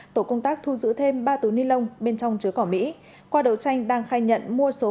tổ công tác thu giữ thêm ba túi ni lông bên trong chứa cỏ mỹ qua đấu tranh đang khai nhận mua số